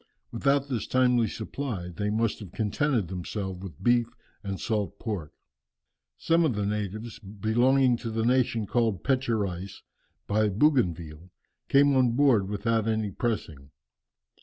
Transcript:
Without this timely supply, they must have contented themselves with beef and salt pork." Some of the natives, belonging to the nation called "Pecherais" by Bougainville, came on board without any pressing.